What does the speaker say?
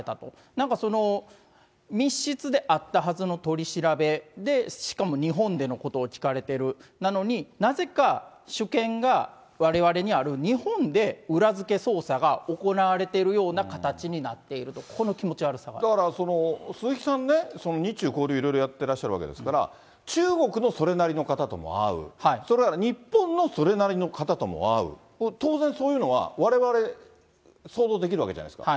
なんかその密室であったはずの取り調べで、しかも日本でのことを聞かれている、なのになぜか主権がわれわれにある日本で裏付け捜査が行われているような形になっていると、この気持ち悪さが。だから、鈴木さんね、日中交流、いろいろやってらっしゃるわけですから、中国のそれなりの方とも会う、日本のそれなりの方とも会う、当然、そういうのはわれわれ、想像できるわけじゃないですか。